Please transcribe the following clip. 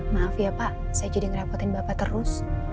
maaf ya pak saya jadi ngerepotin bapak terus